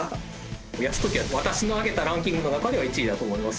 泰時は私の挙げたランキングの中では１位だと思います。